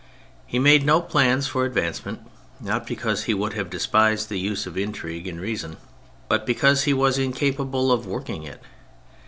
He made no plans for advancement, not because he would have despised the use of intrigue in reason, but because he was incapable of working it.